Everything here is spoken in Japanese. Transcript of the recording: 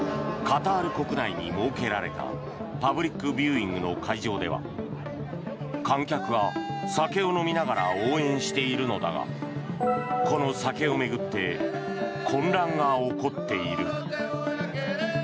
カタール国内に設けられたパブリックビューイングの会場では観客が酒を飲みながら応援しているのだがこの酒を巡って混乱が起こっている。